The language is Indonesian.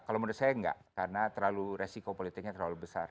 kalau menurut saya enggak karena terlalu resiko politiknya terlalu besar